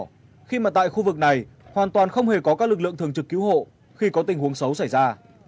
các trẻ nhỏ khi mà tại khu vực này hoàn toàn không hề có các lực lượng thường trực cứu hộ khi có tình huống xấu xảy ra